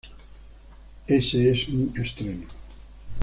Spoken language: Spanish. Ese es un estreno.